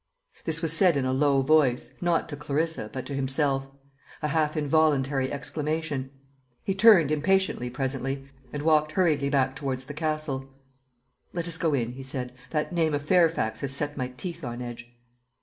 This was said in a low voice; not to Clarissa, but to himself; a half involuntary exclamation. He turned impatiently presently, and walked hurriedly back towards the Castle. "Let us go in," he said. "That name of Fairfax has set my teeth on edge."